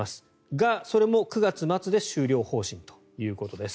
が、それも９月末で終了方針ということです。